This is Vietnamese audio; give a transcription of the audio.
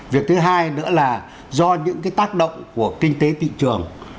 việc thứ hai nữa là do những tác động của kinh tế thị trường